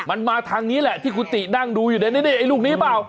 มันมาทางนี้แหละที่คุณตินั่งดูอยู่ในนี้ไอ้ลูกนี้เปล่า